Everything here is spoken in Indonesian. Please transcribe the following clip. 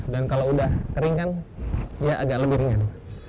dan kalau udah kering kan ya agak lebih ringan